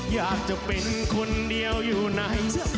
อยากจะเป็นคนเดียวอยู่ไหน